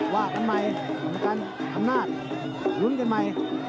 ว่าทำไมทำกันทำหน้าลุ้นกันใหม่